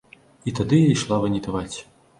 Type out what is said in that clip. І тады я ішла ванітаваць.